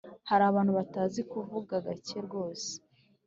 Hari abantu batazi kuvuga gake rwose